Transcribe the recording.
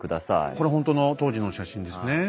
これほんとの当時の写真ですね。